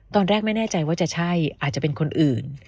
ตอนแรกไม่แน่ใจว่าจะใช่อาจจะเป็นคนอื่น